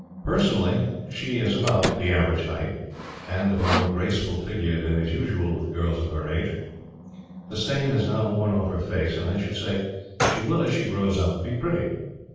"Personally, she is of about the average height, and of a more graceful figure than is usual with girls of her age. The stain has now worn off her face, and I should say she will, as she grows up, be pretty.